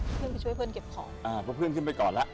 เพื่อนไปช่วยเพื่อนเก็บของอ่าเพราะเพื่อนขึ้นไปก่อนแล้ว